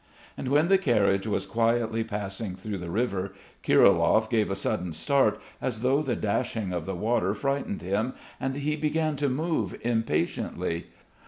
And when the carriage was quietly passing through the river, Kirilov gave a sudden start, as though the dashing of the water frightened him, and he began to move impatiently.